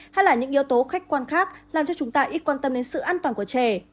hay là những yếu tố khách quan khác làm cho chúng ta ít quan tâm đến sự an toàn của trẻ